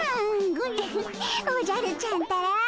ウフッおじゃるちゃんったら。